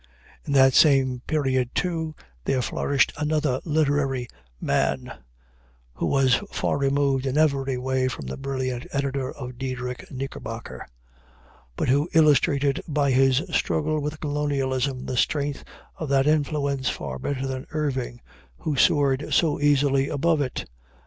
In that same period too there flourished another literary man, who was far removed in every way from the brilliant editor of Diedrich Knickerbocker, but who illustrated by his struggle with colonialism the strength of that influence far better than Irving, who soared so easily above it.